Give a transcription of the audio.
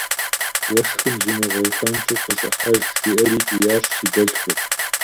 – Уэшхым зумыгъэуфэнщӀу къыщӀыхьэж, - жиӏэри кӏиящ си дэлъхур.